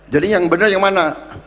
jadi yang benar yang mana